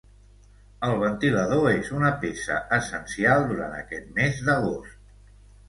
El ventilador és una peça essencial durant aquest mes d'agost.